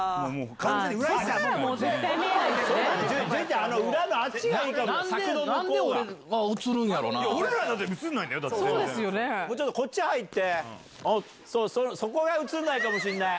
もうちょっとこっち入って、そこは写んないかもしんない。